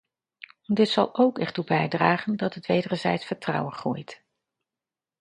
Dit zal ook ertoe bijdragen dat het wederzijds vertrouwen groeit.